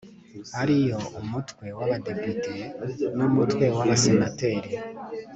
ari yo umutwe w'abadepite n'umutwe w'abasenateri